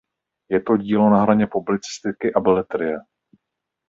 Je to dílo na hraně publicistiky a beletrie.